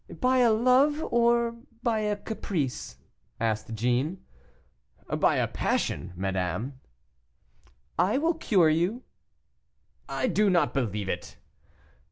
"By a love, or by a caprice?" asked Jeanne. "By a passion, madame." "I will cure you." "I do not believe it."